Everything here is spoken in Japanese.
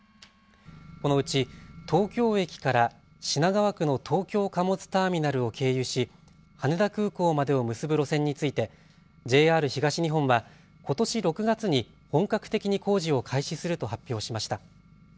このうち東京駅から品川区の東京貨物ターミナルを経由し羽田空港までを結ぶ路線についてＪＲ東日本はことし６月に本格的に工事を開始すると発表しました。